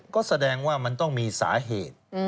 ก็แสดงว่ามันต้องมีสาเหตุ